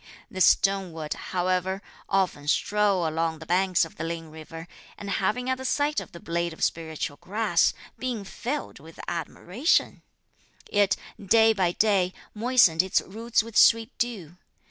"This stone would, however, often stroll along the banks of the Ling river, and having at the sight of the blade of spiritual grass been filled with admiration, it, day by day, moistened its roots with sweet dew.